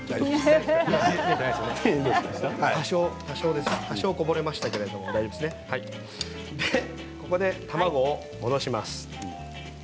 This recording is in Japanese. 多少、今こぼれましたけれどもここで卵を戻します。